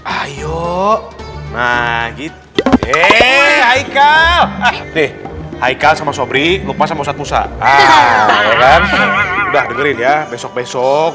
ayo nah gitu hehehe hai kau deh hai kau sama sobri lupa sama ustadz musa udah dengerin ya besok besok